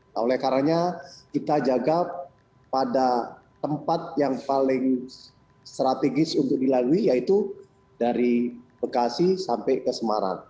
nah oleh karanya kita jaga pada tempat yang paling strategis untuk dilalui yaitu dari bekasi sampai ke semarang